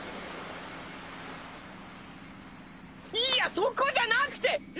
いやそこじゃなくて！